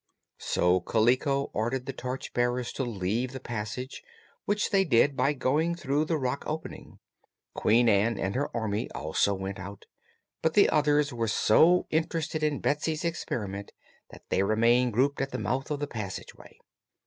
So Kaliko ordered the torch bearers to leave the passage, which they did by going through the rock opening. Queen Ann and her army also went out; but the others were so interested in Betsy's experiment that they remained grouped at the mouth of the passageway.